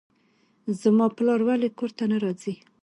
زما پلار ولې کور ته نه راځي.